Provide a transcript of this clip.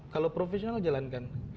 kalau profesional jalankan